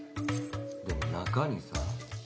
でも中にさ。